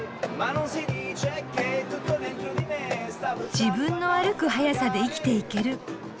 自分の歩く速さで生きていける。